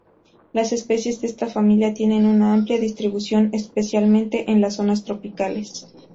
Las especies de esta familia tienen una amplia distribución, especialmente en las zonas tropicales.